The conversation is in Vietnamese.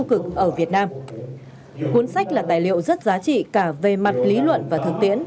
cuốn sách là tài liệu rất giá trị cả về mặt lý luận và thực tiễn